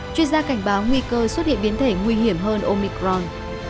chuyên gia cảnh báo nguy cơ xuất hiện biến thể nguy hiểm hơn omicron